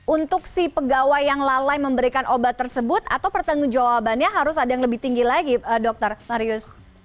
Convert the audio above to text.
untuk si pegawai yang lalai memberikan obat tersebut atau pertanggung jawabannya harus ada yang lebih tinggi lagi dokter marius